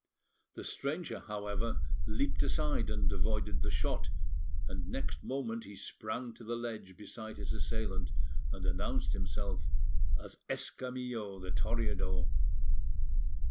The stranger, however, leaped aside and avoided the shot, and next moment he sprang to the ledge beside his assailant, and announced himself as Escamillo, the Toreador.